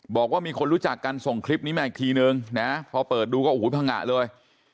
บอกว่ามีคนรู้จักกันส่งคลิปนี้มาอีกทีนึงนะพอเปิดดูก็โอ้โหพังงะเลย